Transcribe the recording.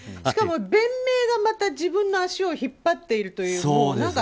しかも弁明がまた自分の足を引っ張っているという。